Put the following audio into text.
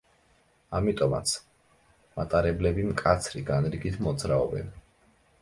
ამიტომაც, მატარებლები მკაცრი განრიგით მოძრაობენ.